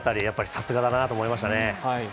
さすがだなと思いましたね。